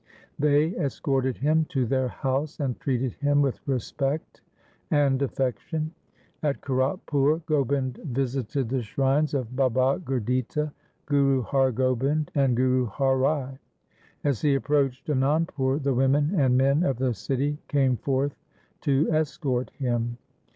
They escorted him to their house and treated him with respect and affection. At Kiratpur Gobind visited the shrines of Baba Gurditta, Guru Har Gobind, and Guru Har Rai. As he approached Anandpur, the women and men of the city came 368 THE SIKH RELIGION forth to escort him.